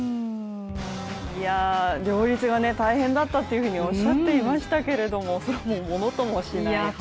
両立は大変だったとおっしゃっていましたけどそれをものともしない走りをね。